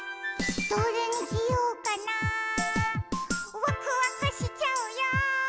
「どれにしようかなわくわくしちゃうよ」